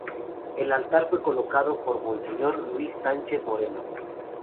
El altar fue colocado por Monseñor Luís Sánchez Moreno.